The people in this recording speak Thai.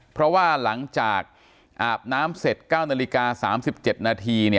เพราะว่าหลังจากอาบน้ำเสร็จ๙นาฬิกา๓๗นาที